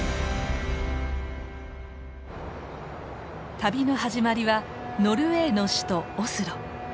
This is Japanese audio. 旅の始まりはノルウェーの首都オスロ。